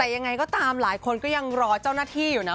แต่ยังไงก็ตามหลายคนก็ยังรอเจ้าหน้าที่อยู่นะ